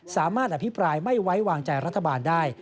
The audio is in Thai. สามารถอภิปรายไม่ไว้วางใจรัฐบาลได้